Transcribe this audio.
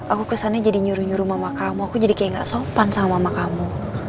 aku kesannya jadi nyuruh nyuruh mama kamu aku jadi kayak gak sopan sama sama kamu